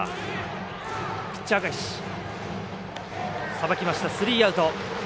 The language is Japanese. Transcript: さばきました、スリーアウト。